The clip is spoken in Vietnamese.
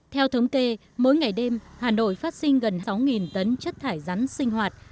theo thống kê mỗi ngày đêm hà nội phát sinh gần sáu tấn chất thải rắn sinh hoạt